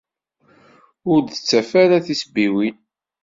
ur d-ttaf ara tisebbiwin.